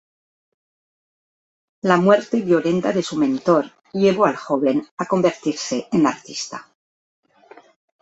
La muerte violenta de su mentor, llevó al joven a convertirse en artista.